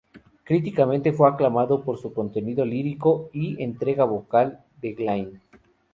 Críticamente, fue aclamado por su contenido lírico y entrega vocal de Glynne.